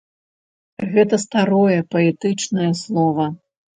Гэта старое, паэтычнае слова.